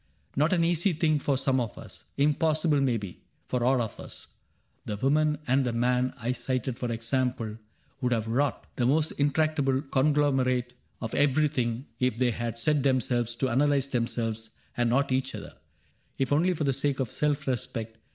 Not an easy thing For some of us ; impossible, may be. For all of us : the woman and the man I cited, for example, would have wrought The most intractable conglomerate Of everything, if they had set themselves To analyze themselves and not each other ; If only for the sake of self respect.